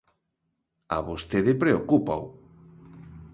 A vostede preocúpao.